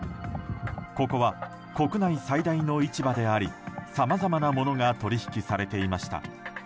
ここは国内最大の市場でありさまざまなものが取り引きされていました。